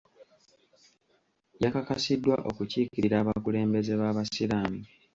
Yakakasiddwa okukiikirira abakulembeze b'abasiraamu.